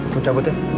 gue cabut ya